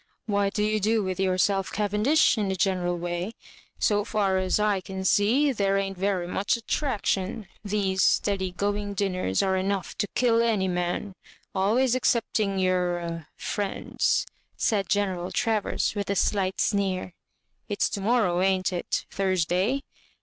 What do you do with yourselfj Cavendish, in a general way ? So far as I can see, there ain't very much attraction. These steady going dinners are enough to kill any man ; always ex cepting your — friend's," said General Travers, with a alight sneer. " It's to morrow, ain't it ?— Thursday?"